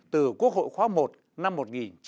từ quốc hội khóa một năm một nghìn chín trăm bốn mươi sáu